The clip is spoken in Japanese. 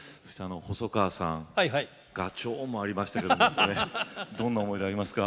ガチョーンもありましたけどどんな思い出ありますか？